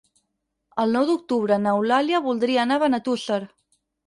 El nou d'octubre n'Eulàlia voldria anar a Benetússer.